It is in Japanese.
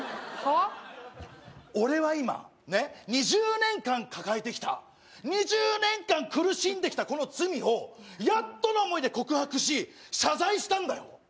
俺は今、２０年間抱えてきた、２０年間苦しんできたこの罪をやっとの思いで告白し謝罪したんだよ。